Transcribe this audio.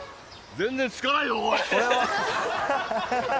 全然着かないぞ、おい。